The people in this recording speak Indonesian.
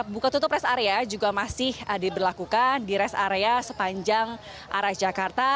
buka tutup rest area juga masih diberlakukan di rest area sepanjang arah jakarta